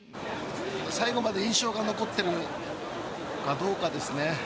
最後まで印象が残ってるかどうかですね